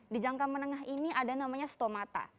di jangka menengah ini ada namanya stomata